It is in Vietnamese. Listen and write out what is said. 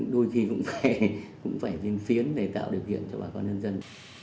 đôi khi cũng phải cũng phải viên phiến để tạo điều kiện cho bà con nhân dân